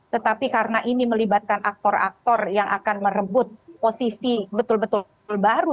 tetapi karena ini melibatkan aktor aktor yang akan merebut posisi betul betul baru